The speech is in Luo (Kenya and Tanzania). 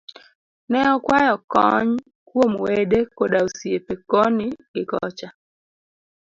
Ne okwayo kony kuom wede koda osiepe koni gikocha